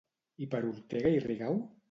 I per Ortega i Rigau?